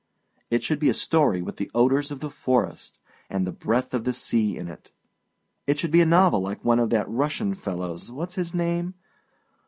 It should be a story with the odors of the forest and the breath of the sea in it. It should be a novel like one of that Russian fellowâs whatâs his name?